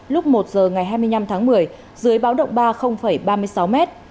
lúc một h ngày hai mươi năm tháng một mươi dưới báo động ba là ba mươi sáu m